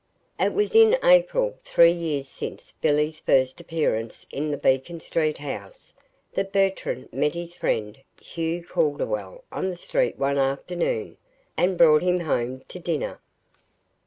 It was in April, three years since Billy's first appearance in the Beacon Street house, that Bertram met his friend, Hugh Calderwell, on the street one afternoon, and brought him home to dinner.